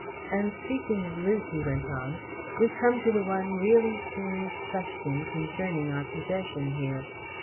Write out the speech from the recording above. And speaking of loot," he went on, "we come to the one really serious question concerning our possession here.